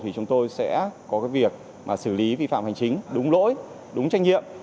thì chúng tôi sẽ có việc xử lý vi phạm hành chính đúng lỗi đúng trách nhiệm